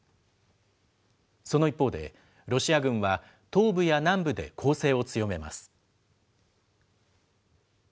その一方で、ロシア軍は東部や南部で攻勢を強めます。